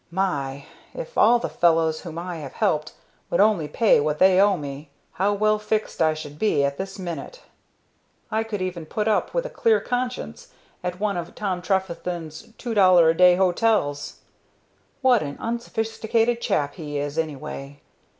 My! if all the fellows whom I have helped would only pay what they owe me, how well fixed I should be at this minute. I could even put up with a clear conscience at one of Tom Trefethen's two dollar a day hotels. What an unsophisticated chap he is, anyway.